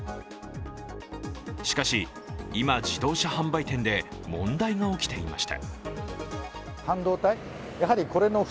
しかし、今、自動車販売店で問題が起きていました。